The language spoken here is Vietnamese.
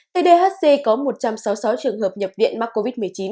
tdhc có một trăm sáu mươi sáu trường hợp nhập viện mắc covid một mươi chín